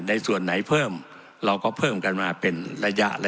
ส่วนไหนเพิ่มเราก็เพิ่มกันมาเป็นระยะ